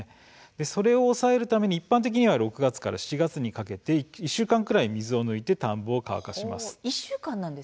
それを抑えるために一般的には６月から７月にかけて１週間くらい水を抜いて田んぼを乾かします。